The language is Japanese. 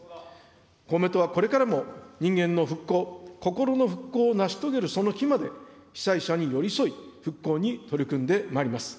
公明党はこれからも人間の復興、心の復興を成し遂げるその日まで、被災者に寄り添い、復興に取り組んでまいります。